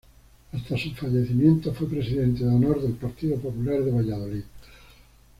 Hasta su fallecimiento fue presidente de honor del Partido Popular de Valladolid.